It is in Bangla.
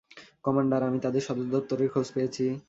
কমান্ডার, আমি তাদের সদর দপ্তরের খোঁজ পেয়েছি।